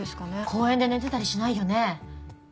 公園で寝てたりしないよね？